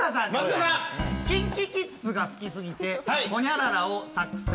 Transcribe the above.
ＫｉｎＫｉＫｉｄｓが好き過ぎてほにゃららを作成。